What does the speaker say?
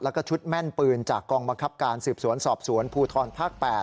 แล้วก็ชุดแม่นปืนจากกองบังคับการสืบสวนสอบสวนภูทรภาค๘